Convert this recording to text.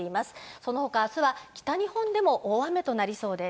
その他、明日は北日本でも大雨となりそうです。